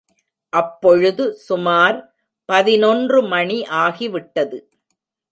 அப்பொழுது சுமார் பதினொன்று மணி ஆகிவிட்டது.